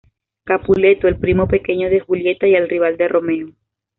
Capuleto, el primo pequeño de Julieta, y el rival de Romeo.